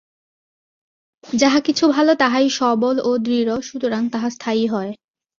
যাহা কিছু ভাল, তাহাই সবল ও দৃঢ়, সুতরাং তাহা স্থায়ী হয়।